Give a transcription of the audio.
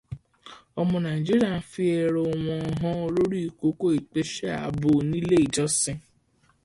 Ọmọ Nàìjíríà ń fi èrò wọn hàn lórí koko ìpèsè ààbò nílé ìjọsìn.